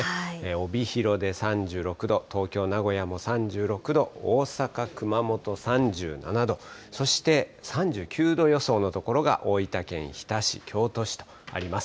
帯広で３６度、東京、名古屋も３６度、大阪、熊本３７度、そして３９度予想の所が大分県日田市、京都市とあります。